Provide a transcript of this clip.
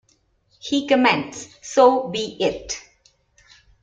He comments: So be it.